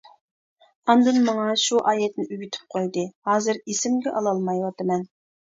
ئاندىن ماڭا شۇ ئايەتنى ئۆگىتىپ قويدى، ھازىر ئېسىمگە ئالالمايۋاتىمەن.